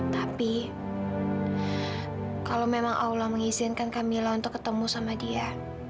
tapi kalau memang allah mengizinkan camillah untuk ketemu sama dia